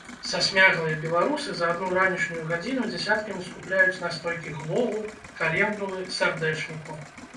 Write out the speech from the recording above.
Сасмяглыя беларусы за адну ранішнюю гадзіну дзясяткамі скупляюць настойкі глогу, календулы, сардэчніку.